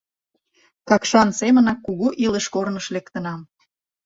Какшан семынак, кугу илыш корныш лектынам.